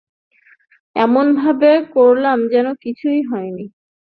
এমন ভাব করলাম যেন কিছুই হয়নি।